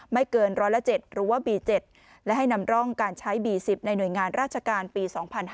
ไม่เกินร้อยละ๗หรือว่าบี๗และให้นำร่องการใช้บี๑๐ในหน่วยงานราชการปี๒๕๕๙